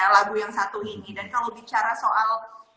lagu yang satu ini dan kalau bicara soal